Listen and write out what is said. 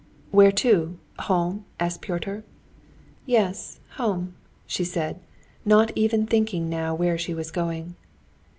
"Where to? Home?" asked Pyotr. "Yes, home," she said, not even thinking now where she was going.